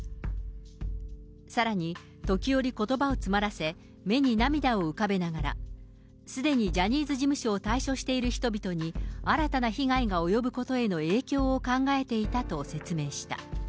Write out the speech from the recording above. さらに、時折、ことばを詰まらせ、目に涙を浮かべながら、すでにジャニーズ事務所を退所している人々に新たな被害が及ぶことへの影響を考えていたと説明した。